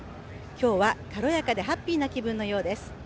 今日は軽やかでハッピーな気分のようです。